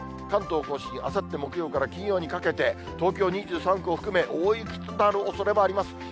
関東甲信、あさって木曜から金曜にかけて、東京２３区を含め、大雪となるおそれもあります。